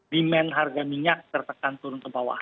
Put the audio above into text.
demand harga minyak tertekan turun ke bawah